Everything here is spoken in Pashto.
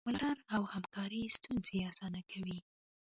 ملاتړ او همکاري ستونزې اسانه کوي.